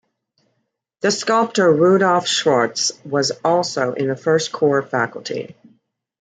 The sculptor Rudolph Schwarz was also in the first core faculty.